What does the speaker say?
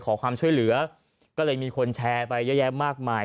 ไปขอความช่วยเหลือก็เลยมีคนแชร์ไว้มากมาย